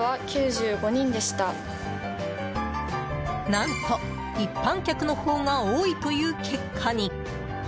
何と一般客のほうが多いという結果に。